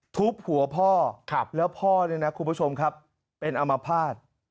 ทุบหัวพ่อแล้วพ่อเนี่ยนะคุณผู้ชมครับเป็นอมภาษณ์